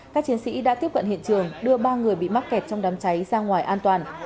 các chiến sĩ đã tiếp cận hiện trường đưa ba người bị mắc kẹt trong đám cháy ra ngoài an toàn